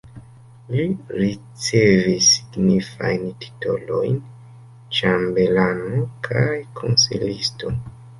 Li ricevis signifajn titolojn ĉambelano kaj konsilisto.